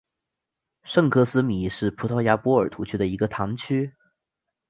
圣科斯米是葡萄牙波尔图区的一个堂区。